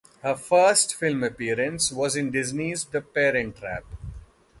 Her first film appearance was in Disney's "The Parent Trap".